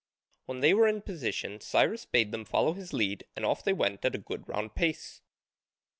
When they were in position Cyrus bade them follow his lead and off they went at a good round pace.